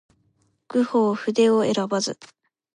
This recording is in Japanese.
弘法筆を選ばず